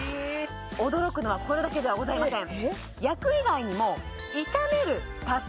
驚くのはこれだけではございません